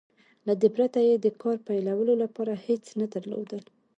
له دې پرته يې د کار پيلولو لپاره هېڅ نه درلودل.